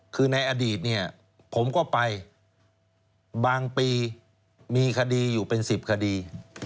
คือในอดีตเนี่ยผมก็ไปบางปีมีคดีอยู่เป็น๑๐คดี